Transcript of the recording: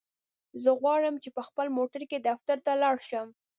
زه غواړم چی په خپل موټرکی دفترته لاړشم.